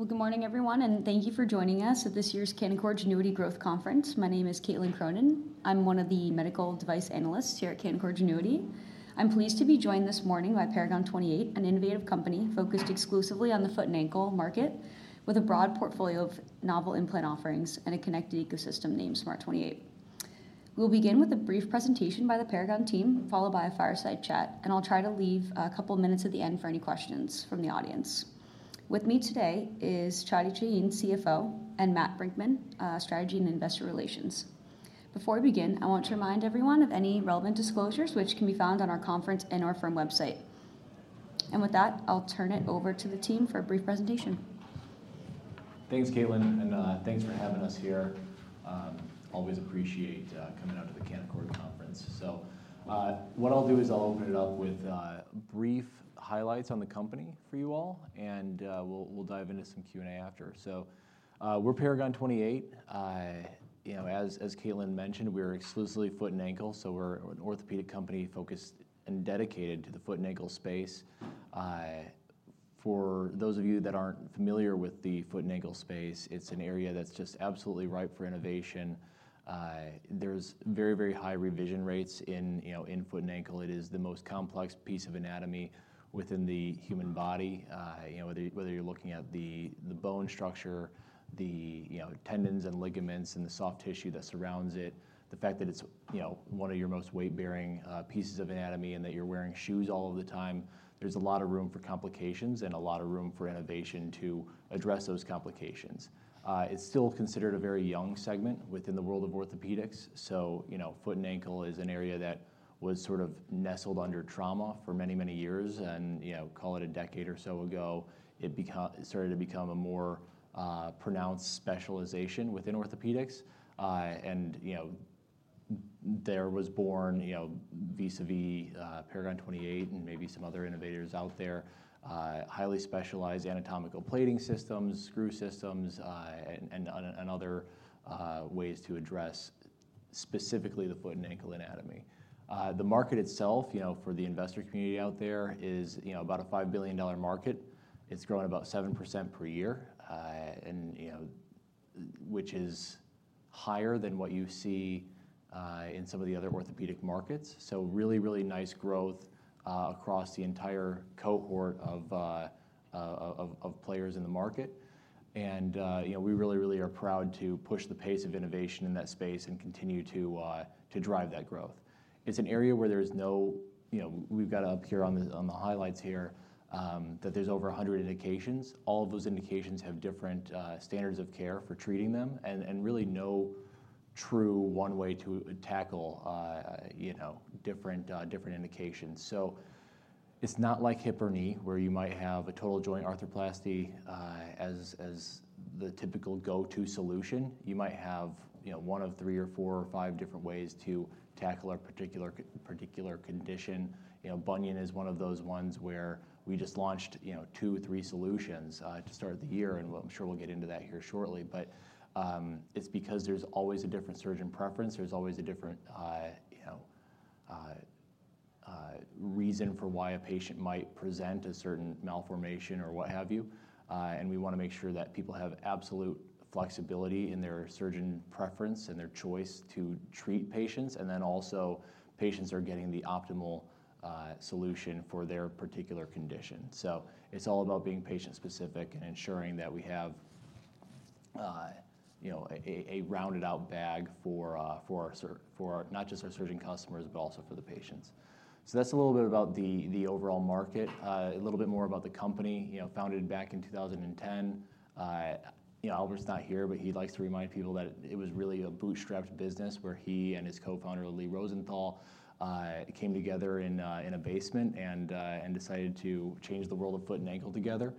Well, good morning, everyone, and thank you for joining us at this year's Canaccord Genuity Growth Conference. My name is Caitlin Cronin. I'm one of the medical device analysts here at Canaccord Genuity. I'm pleased to be joined this morning by Paragon 28, an innovative company focused exclusively on the foot and ankle market, with a broad portfolio of novel implant offerings and a connected ecosystem named SMART28. We'll begin with a brief presentation by the Paragon team, followed by a fireside chat, and I'll try to leave a couple minutes at the end for any questions from the audience. With me today is Chadi Chahine, CFO, and Matt Brinckman, Strategy and Investor Relations. Before we begin, I want to remind everyone of any relevant disclosures, which can be found on our conference and our firm website. With that, I'll turn it over to the team for a brief presentation. Thanks, Caitlin, and thanks for having us here. Always appreciate coming out to the Canaccord Conference. So, what I'll do is I'll open it up with brief highlights on the company for you all, and we'll, we'll dive into some Q&A after. So, we're Paragon 28. You know, as Caitlin mentioned, we're exclusively foot and ankle, so we're an orthopedic company focused and dedicated to the foot and ankle space. For those of you that aren't familiar with the foot and ankle space, it's an area that's just absolutely ripe for innovation. There's very, very high revision rates in, you know, in foot and ankle. It is the most complex piece of anatomy within the human body. You know, whether you're looking at the bone structure, you know, tendons and ligaments and the soft tissue that surrounds it, the fact that it's, you know, one of your most weight-bearing pieces of anatomy and that you're wearing shoes all of the time, there's a lot of room for complications and a lot of room for innovation to address those complications. It's still considered a very young segment within the world of orthopedics. So, you know, foot and ankle is an area that was sort of nestled under trauma for many, many years, and, you know, call it a decade or so ago, it started to become a more pronounced specialization within orthopedics. And, you know, there was born, you know, vis-à-vis, Paragon 28 and maybe some other innovators out there, highly specialized anatomical plating systems, screw systems, and other ways to address specifically the foot and ankle anatomy. The market itself, you know, for the investor community out there is, you know, about a $5 billion market. It's growing about 7% per year, and, you know, which is higher than what you see in some of the other orthopedic markets. So really, really nice growth across the entire cohort of players in the market. And, you know, we really, really are proud to push the pace of innovation in that space and continue to drive that growth. It's an area where there's no... You know, we've got up here on the highlights here that there's over 100 indications. All of those indications have different standards of care for treating them and really no true one way to tackle you know different indications. So it's not like hip or knee, where you might have a total joint arthroplasty as the typical go-to solution. You might have, you know, one of three or four or five different ways to tackle a particular condition. You know, bunion is one of those ones where we just launched, you know, two, three solutions to start the year, and we'll. I'm sure we'll get into that here shortly, but it's because there's always a different surgeon preference. There's always a different, you know, reason for why a patient might present a certain malformation or what have you. And we wanna make sure that people have absolute flexibility in their surgeon preference and their choice to treat patients, and then also, patients are getting the optimal solution for their particular condition. So it's all about being patient-specific and ensuring that we have, you know, a rounded-out bag for our surgeons, for not just our surgeon customers, but also for the patients. So that's a little bit about the overall market. A little bit more about the company, you know, founded back in 2010. You know, Albert's not here, but he likes to remind people that it was really a bootstrapped business where he and his co-founder, Lee Rosenthal, came together in a basement and decided to change the world of foot and ankle together.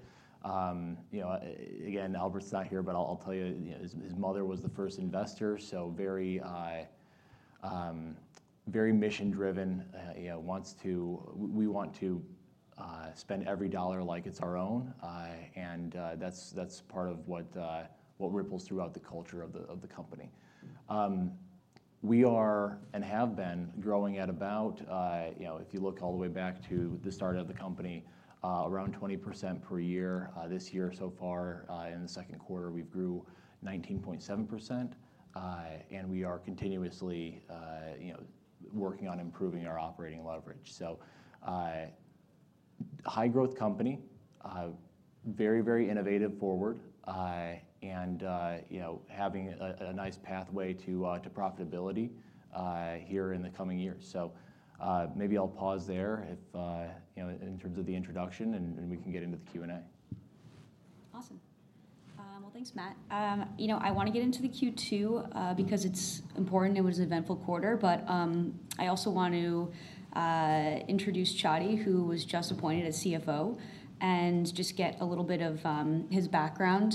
You know, again, Albert's not here, but I'll tell you, you know, his mother was the first investor, so very mission-driven, you know, wants to... We want to spend every dollar like it's our own. And that's part of what ripples throughout the culture of the company. We are and have been growing at about, you know, if you look all the way back to the start of the company, around 20% per year. This year so far, in the second quarter, we've grew 19.7%, and we are continuously, you know, working on improving our operating leverage. So, high-growth company, very, very innovative forward, and, you know, having a, a nice pathway to, to profitability, here in the coming years. So, maybe I'll pause there if, you know, in terms of the introduction, and, and we can get into the Q&A. Awesome. Well, thanks, Matt. You know, I wanna get into the Q2, because it's important, it was an eventful quarter, but I also want to introduce Chadi, who was just appointed as CFO, and just get a little bit of his background.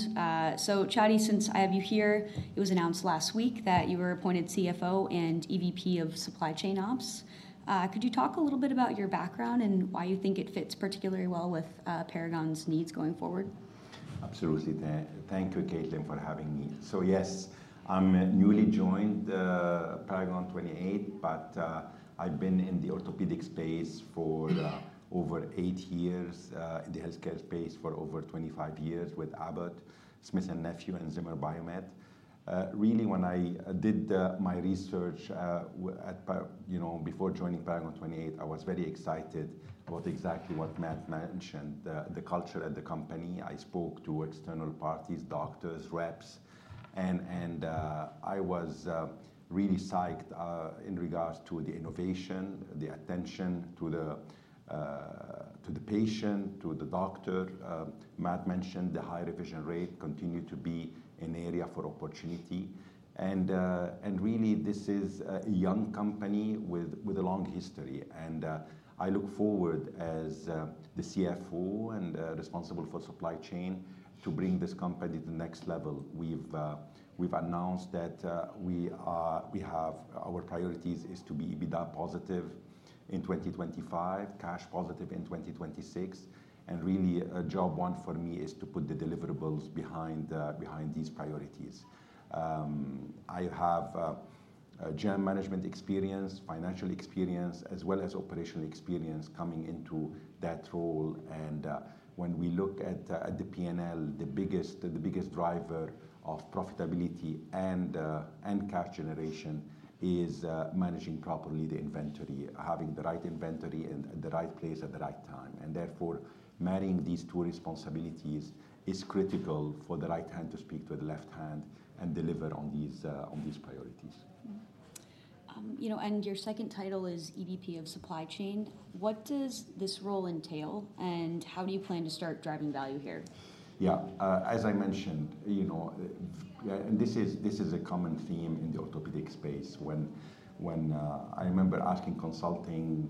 So Chadi, since I have you here, it was announced last week that you were appointed CFO and EVP of Supply Chain Ops. Could you talk a little bit about your background and why you think it fits particularly well with Paragon's needs going forward? Absolutely. Thank you, Caitlin, for having me. So yes, I'm newly joined Paragon 28, but I've been in the orthopedic space for over 8 years, in the healthcare space for over 25 years with Abbott, Smith+Nephew, and Zimmer Biomet. Really, when I did my research, what Paragon, you know, before joining Paragon 28, I was very excited about exactly what Matt mentioned, the culture at the company. I spoke to external parties, doctors, reps, and I was really psyched in regards to the innovation, the attention to the patient, to the doctor. Matt mentioned the high revision rate continued to be an area for opportunity. And really this is a young company with a long history. I look forward as the CFO and responsible for supply chain, to bring this company to the next level. We've announced that our priorities is to be EBITDA positive in 2025, cash positive in 2026, and really, job one for me is to put the deliverables behind these priorities. I have a GM management experience, financial experience, as well as operational experience coming into that role. When we look at the P&L, the biggest driver of profitability and cash generation is managing properly the inventory, having the right inventory in the right place at the right time. Therefore, marrying these two responsibilities is critical for the right hand to speak to the left hand and deliver on these priorities. Mm-hmm. You know, and your second title is EVP of Supply Chain. What does this role entail, and how do you plan to start driving value here? Yeah. As I mentioned, you know, yeah, and this is, this is a common theme in the orthopedic space. When, when I remember asking consulting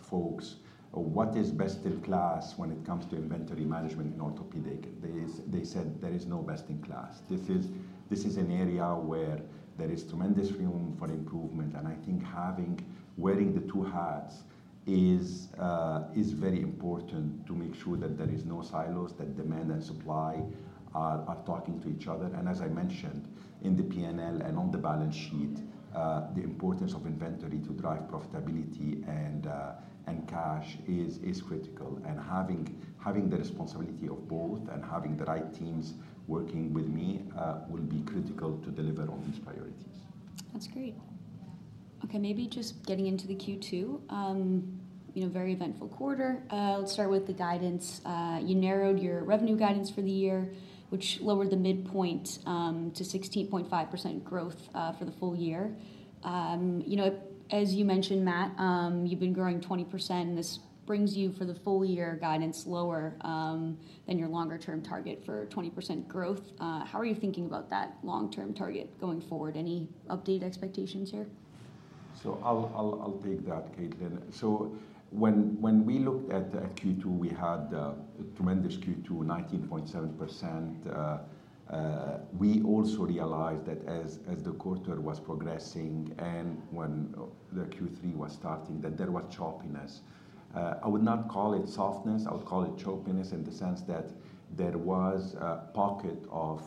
folks: What is best in class when it comes to inventory management in orthopedic? They, they said there is no best in class. This is, this is an area where there is tremendous room for improvement, and I think having, wearing the two hats is, is very important to make sure that there is no silos, that demand and supply are, are talking to each other. And as I mentioned, in the PNL and on the balance sheet, the importance of inventory to drive profitability and, and cash is, is critical. And having, having the responsibility of both and having the right teams working with me, will be critical to deliver on these priorities. That's great. Okay, maybe just getting into the Q2, you know, very eventful quarter. Let's start with the guidance. You narrowed your revenue guidance for the year, which lowered the midpoint to 16.5% growth for the full year. You know, as you mentioned, Matt, you've been growing 20%, and this brings you for the full year guidance lower than your longer-term target for 20% growth. How are you thinking about that long-term target going forward? Any updated expectations here? So I'll take that, Caitlin. So when we looked at Q2, we had a tremendous Q2, 19.7%. We also realized that as the quarter was progressing and when the Q3 was starting, that there was choppiness. I would not call it softness; I would call it choppiness in the sense that there was a pocket of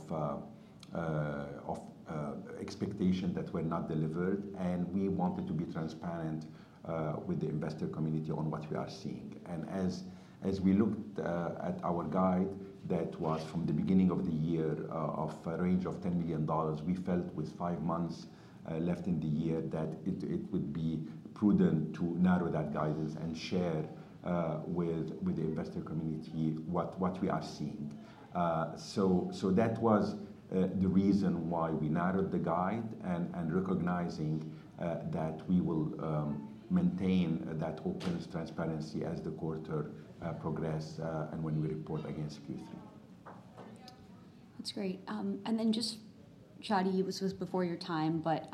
expectation that were not delivered, and we wanted to be transparent with the investor community on what we are seeing. And as we looked at our guide, that was from the beginning of the year, of a range of $10 million, we felt with five months left in the year, that it would be prudent to narrow that guidance and share with the investor community what we are seeing. So that was the reason why we narrowed the guide and recognizing that we will maintain that openness, transparency as the quarter progress and when we report again Q3. That's great. And then just, Chadi, this was before your time, but,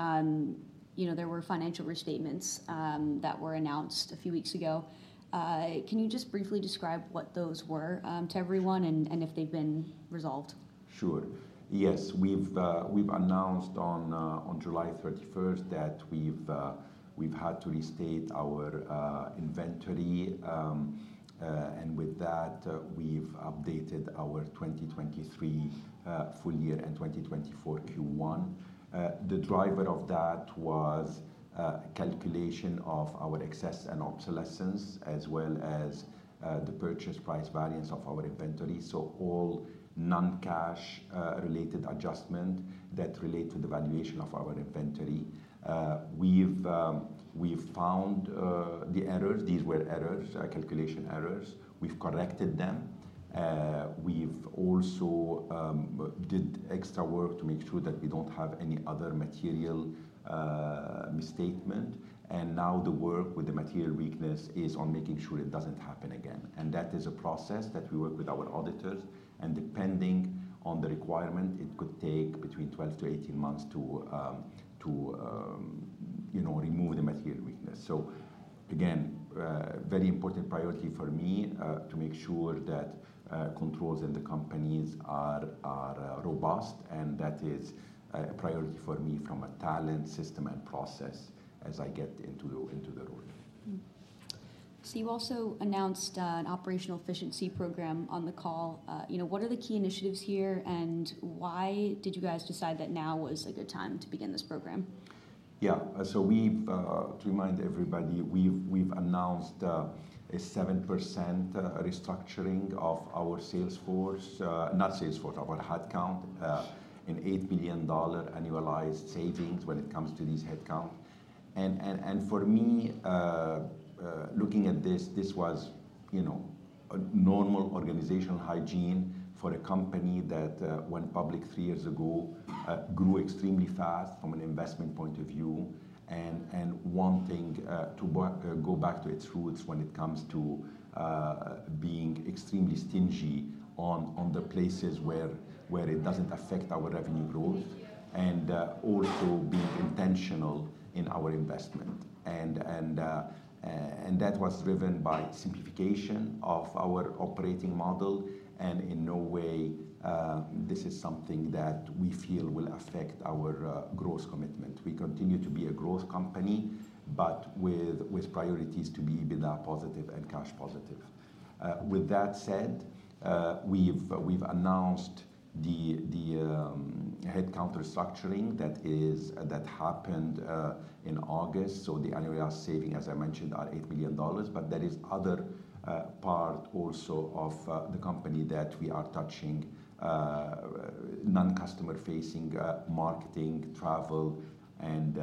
you know, there were financial restatements that were announced a few weeks ago. Can you just briefly describe what those were, to everyone and, and if they've been resolved? Sure. Yes, we've announced on July 31 that we've had to restate our inventory. And with that, we've updated our 2023 full year and 2024 Q1. The driver of that was calculation of our excess and obsolescence, as well as the purchase price variance of our inventory. So all non-cash related adjustment that relate to the valuation of our inventory. We've found the errors. These were errors, calculation errors. We've corrected them. We've also did extra work to make sure that we don't have any other material misstatement. And now the work with the material weakness is on making sure it doesn't happen again. That is a process that we work with our auditors, and depending on the requirement, it could take between 12 to 18 months to you know, remove the material weakness. So again, very important priority for me, to make sure that controls in the companies are robust, and that is a priority for me from a talent, system, and process as I get into the role. Mm-hmm. So you also announced an operational efficiency program on the call. You know, what are the key initiatives here, and why did you guys decide that now was a good time to begin this program?... Yeah, so we've to remind everybody, we've announced a 7% restructuring of our sales force. Not sales force, our headcount, an $8 billion annualized savings when it comes to this headcount. And for me, looking at this, this was, you know, a normal organizational hygiene for a company that went public 3 years ago, grew extremely fast from an investment point of view, and wanting to go back to its roots when it comes to being extremely stingy on the places where it doesn't affect our revenue growth, and also being intentional in our investment. And that was driven by simplification of our operating model, and in no way this is something that we feel will affect our growth commitment. We continue to be a growth company, but with priorities to be EBITDA positive and cash positive. With that said, we've announced the headcount restructuring that happened in August. So the annual savings, as I mentioned, are $8 billion. But there is other part also of the company that we are touching, non-customer-facing, marketing, travel, and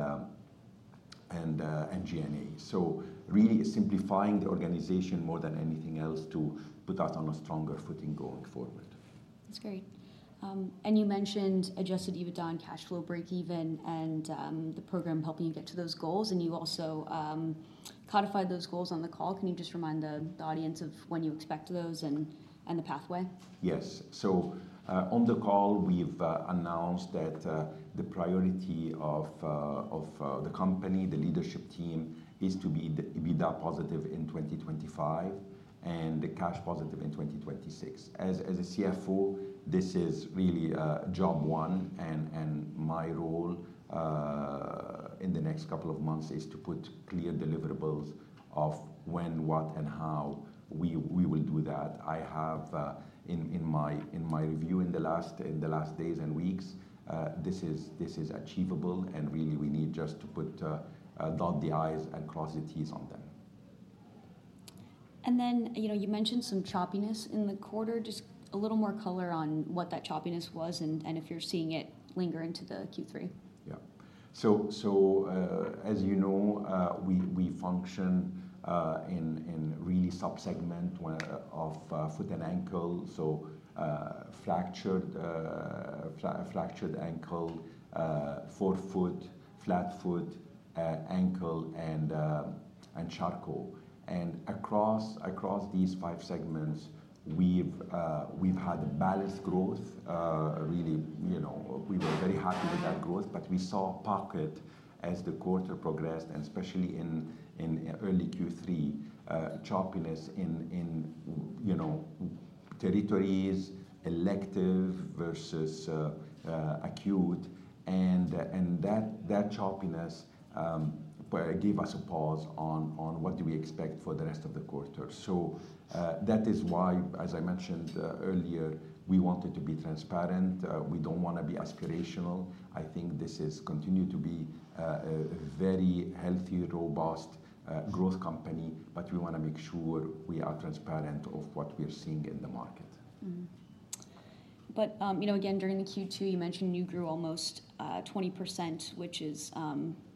G&A. So really simplifying the organization more than anything else to put us on a stronger footing going forward. That's great. You mentioned adjusted EBITDA and cash flow breakeven, and the program helping you get to those goals, and you also codified those goals on the call. Can you just remind the audience of when you expect those and the pathway? Yes. So, on the call, we've announced that the priority of the company, the leadership team, is to be the EBITDA positive in 2025 and the cash positive in 2026. As a CFO, this is really job one, and my role in the next couple of months is to put clear deliverables of when, what, and how we will do that. I have, in my review in the last days and weeks, this is achievable, and really we need just to put dot the I's and cross the T's on them. Then, you know, you mentioned some choppiness in the quarter. Just a little more color on what that choppiness was and if you're seeing it linger into the Q3? Yeah. So, as you know, we function in really one sub-segment of foot and ankle. So, fractured ankle, forefoot, flat foot, ankle, and Charcot. And across these five segments, we've had balanced growth, really, you know, we were very happy with that growth, but we saw a pocket as the quarter progressed, and especially in early Q3, choppiness in, you know, territories, elective versus acute. And that choppiness gave us a pause on what do we expect for the rest of the quarter. So, that is why, as I mentioned earlier, we wanted to be transparent. We don't wanna be aspirational. I think this is continue to be a very healthy, robust growth company, but we wanna make sure we are transparent of what we're seeing in the market. Mm-hmm. But, you know, again, during the Q2, you mentioned you grew almost 20%, which is,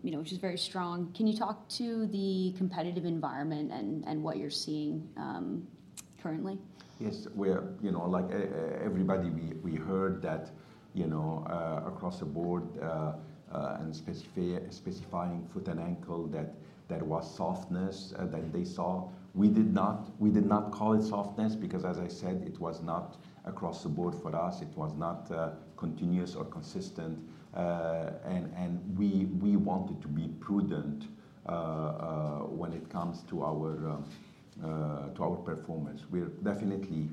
you know, which is very strong. Can you talk to the competitive environment and what you're seeing, currently? Yes, we're, you know, like everybody, we heard that, you know, across the board, and specifying foot and ankle, that there was softness that they saw. We did not call it softness because, as I said, it was not across the board for us. It was not continuous or consistent. And we wanted to be prudent when it comes to our performance. We're definitely,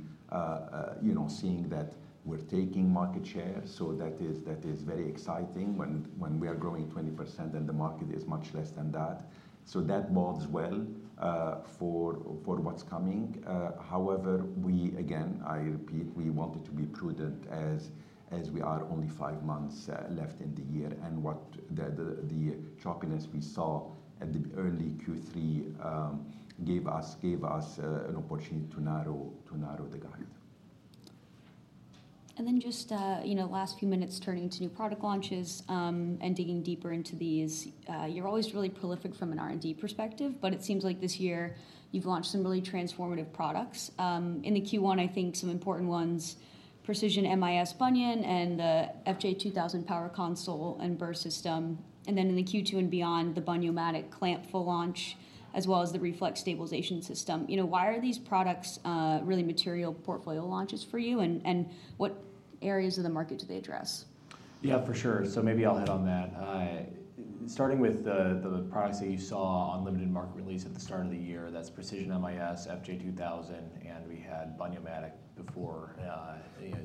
you know, seeing that we're taking market share, so that is very exciting when we are growing 20% and the market is much less than that. So that bodes well for what's coming. However, we again, I repeat, we wanted to be prudent as we are only five months left in the year, and what the choppiness we saw at the early Q3 gave us an opportunity to narrow the guide. And then just, you know, last few minutes, turning to new product launches, and digging deeper into these. You're always really prolific from an R&D perspective, but it seems like this year you've launched some really transformative products. In the Q1, I think some important ones, Precision MIS Bunion and the FJ2000 Power Console and Burr System, and then in the Q2 and beyond, the Bun-Yo-Matic Clamp full launch, as well as the R3FLEX Stabilization System. You know, why are these products, really material portfolio launches for you, and what areas of the market do they address? Yeah, for sure. So maybe I'll hit on that. Starting with the products that you saw on limited market release at the start of the year, that's Precision MIS, FJ2000, and we had Bun-Yo-Matic before,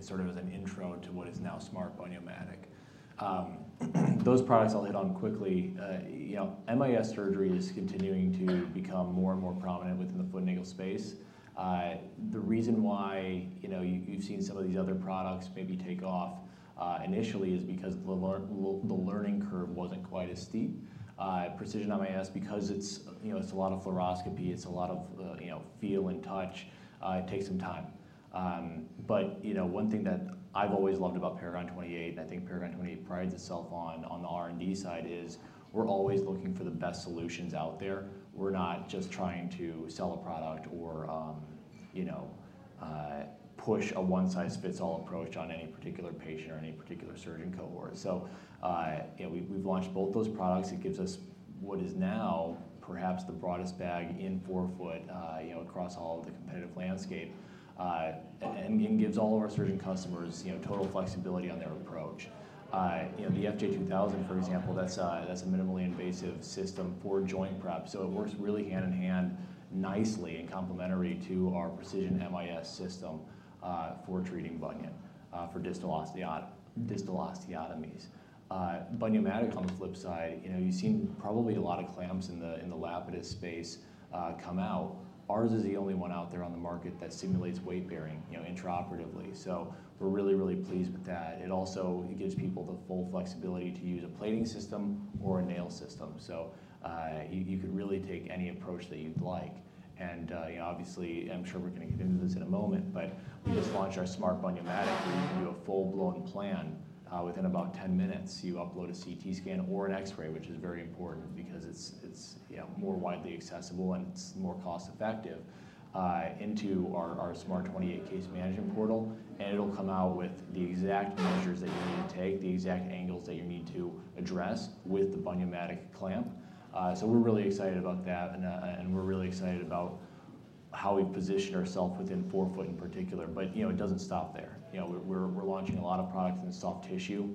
sort of as an intro to what is now SMART Bun-Yo-Matic. Those products I'll hit on quickly. You know, MIS surgery is continuing to become more and more prominent within the foot and ankle space. The reason why, you know, you've seen some of these other products maybe take off initially, is because the learning curve wasn't quite as steep. Precision MIS, because it's, you know, it's a lot of fluoroscopy, it's a lot of, you know, feel and touch, it takes some time. But, you know, one thing that I've always loved about Paragon 28, and I think Paragon 28 prides itself on, on the R&D side, is we're always looking for the best solutions out there. We're not just trying to sell a product or, you know, push a one-size-fits-all approach on any particular patient or any particular surgeon cohort. So, you know, we've launched both those products. It gives us what is now perhaps the broadest bag in forefoot, you know, across all of the competitive landscape. And gives all of our surgeon customers, you know, total flexibility on their approach. You know, the FJ2000, for example, that's a, that's a minimally invasive system for joint prep, so it works really hand-in-hand, nicely and complementary to our Precision MIS system, for treating bunion, for distal osteotomies. Bun-Yo-Matic, on the flip side, you know, you've seen probably a lot of clamps in the Lapidus space, come out. Ours is the only one out there on the market that simulates weight-bearing, you know, intraoperatively. So we're really, really pleased with that. It also, it gives people the full flexibility to use a plating system or a nail system. So, you, you could really take any approach that you'd like. You know, obviously, I'm sure we're gonna get into this in a moment, but we just launched our SMART Bun-Yo-Matic, where you can do a full-blown plan within about 10 minutes. You upload a CT scan or an X-ray, which is very important because it's you know, more widely accessible and it's more cost-effective into our SMART28 case management portal, and it'll come out with the exact measures that you need to take, the exact angles that you need to address with the Bun-Yo-Matic clamp. So we're really excited about that, and and we're really excited about how we position ourself within forefoot in particular. But you know, it doesn't stop there. You know, we're launching a lot of products in soft tissue.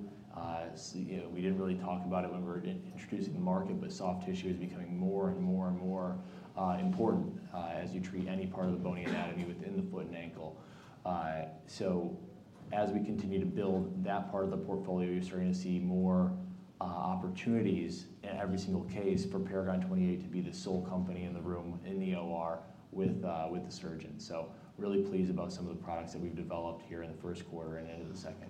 You know, we didn't really talk about it when we were introducing the market, but soft tissue is becoming more and more and more important as you treat any part of the bony anatomy within the foot and ankle. So as we continue to build that part of the portfolio, you're starting to see more opportunities in every single case for Paragon 28 to be the sole company in the room, in the OR with the surgeon. So really pleased about some of the products that we've developed here in the first quarter and into the second.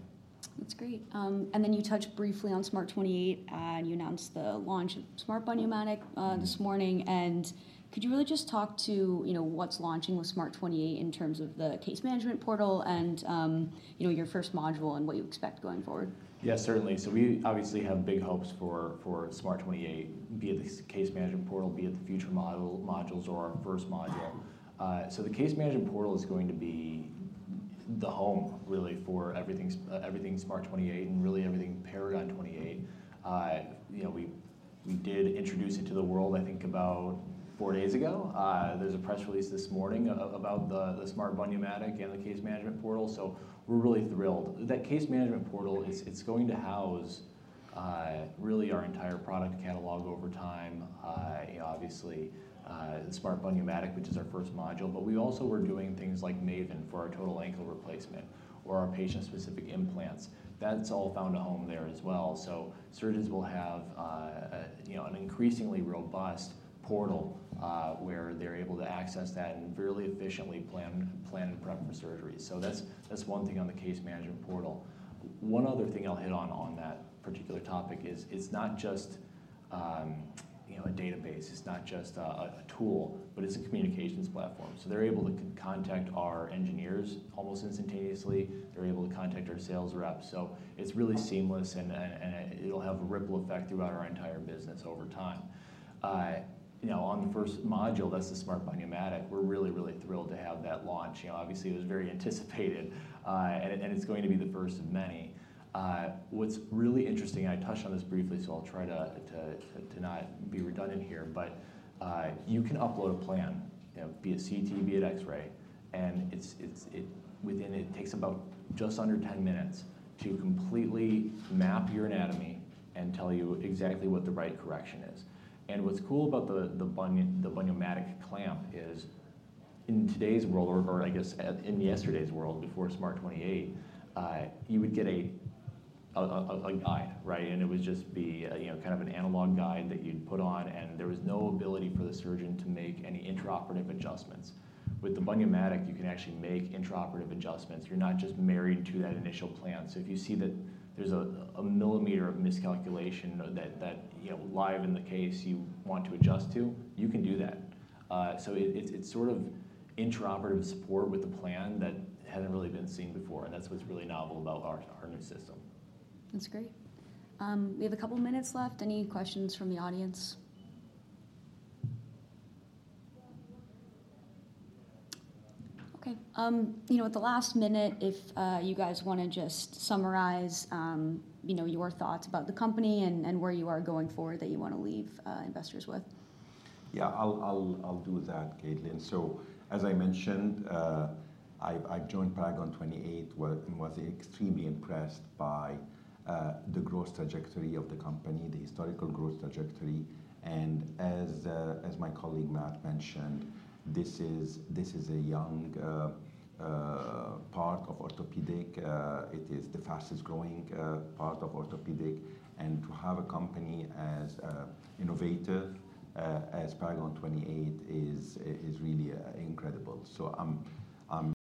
That's great. And then you touched briefly on SMART28, and you announced the launch of SMART Bun-Yo-Matic this morning. And could you really just talk to, you know, what's launching with SMART28 in terms of the case management portal and, you know, your first module and what you expect going forward? Yeah, certainly. So we obviously have big hopes for, for SMART28, be it the case management portal, be it the future module, modules or our first module. So the case management portal is going to be the home really for everything's, everything SMART28 and really everything Paragon 28. You know, we, we did introduce it to the world, I think, about 4 days ago. There was a press release this morning about the, the SMART Bun-Yo-Matic and the case management portal, so we're really thrilled. That case management portal, it's, it's going to house, really our entire product catalog over time. You know, obviously, the SMART Bun-Yo-Matic, which is our first module, but we also were doing things like MAVEN for our total ankle replacement or our patient-specific implants. That's all found a home there as well. So surgeons will have you know, an increasingly robust portal where they're able to access that and really efficiently plan and prep for surgery. So that's one thing on the case management portal. One other thing I'll hit on, on that particular topic is it's not just you know, a database, it's not just a tool, but it's a communications platform. So they're able to contact our engineers almost instantaneously. They're able to contact our sales reps. So it's really seamless, and it'll have a ripple effect throughout our entire business over time. You know, on the first module, that's the SMART Bun-Yo-Matic, we're really, really thrilled to have that launch. You know, obviously, it was very anticipated, and it's going to be the first of many. What's really interesting, and I touched on this briefly, so I'll try to not be redundant here, but you can upload a plan, you know, be it CT, be it X-ray, and it takes about just under 10 minutes to completely map your anatomy and tell you exactly what the right correction is. And what's cool about the bunion, the Bun-Yo-Matic clamp is in today's world, or I guess in yesterday's world, before SMART28, you would get a guide, right? And it would just be a you know kind of an analog guide that you'd put on, and there was no ability for the surgeon to make any intraoperative adjustments. With the Bun-Yo-Matic, you can actually make intraoperative adjustments. You're not just married to that initial plan. So if you see that there's a millimeter of miscalculation that, you know, live in the case you want to adjust to, you can do that. So it's sort of intraoperative support with a plan that hadn't really been seen before, and that's what's really novel about our new system. That's great. We have a couple minutes left. Any questions from the audience? Okay, you know, at the last minute, if you guys wanna just summarize, you know, your thoughts about the company and, and where you are going forward, that you want to leave investors with. Yeah, I'll do that, Caitlin. So, as I mentioned, I've joined Paragon 28 where and was extremely impressed by the growth trajectory of the company, the historical growth trajectory. And as my colleague Matt mentioned, this is a young part of orthopedic; it is the fastest-growing part of orthopedic. And to have a company as innovative as Paragon 28 is really incredible. So I'm,